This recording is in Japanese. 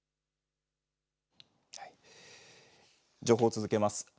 情報を続けます。